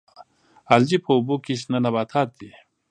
الجی په اوبو کې شنه نباتات دي